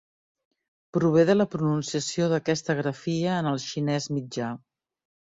Prové de la pronunciació d'aquesta grafia en el xinès mitjà.